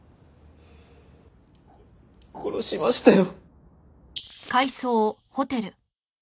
殺しましたよ。